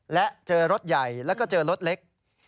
และเจอรถใหญ่แล้วก็เจอรถเล็ก